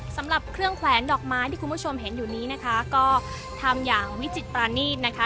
สำหรับเครื่องแขวนดอกไม้ที่คุณผู้ชมเห็นอยู่นี้นะคะก็ทำอย่างวิจิตปรานีตนะคะ